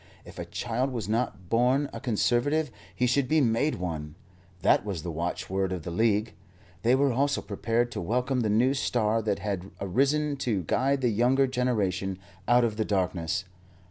If a child was not born a Conservative, he should be made one. That was the watchword of the League. They were also prepared to welcome the new star that had arisen to guide the younger generation out of the darkness.